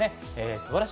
素晴らしい。